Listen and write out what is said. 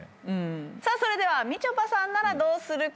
さあそれではみちょぱさんならどうするか？